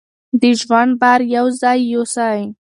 د ژوند بار یو ځای یوسئ.